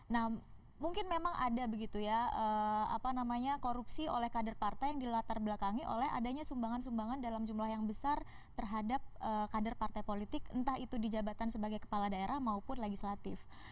nah mungkin memang ada begitu ya apa namanya korupsi oleh kader partai yang dilatar belakangi oleh adanya sumbangan sumbangan dalam jumlah yang besar terhadap kader partai politik entah itu di jabatan sebagai kepala daerah maupun legislatif